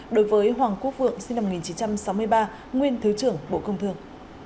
đối với hoàng quốc vượng sinh năm một nghìn chín trăm sáu mươi ba nguyên thứ trưởng bộ công thương